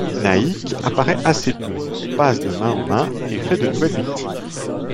Nahik, apparait assez peu, passe de main en main et fait de nouvelles victimes.